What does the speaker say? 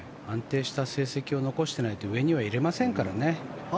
安定した成績を残してないと上にはいれませんからね。